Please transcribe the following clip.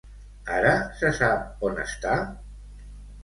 Ara se sap on està?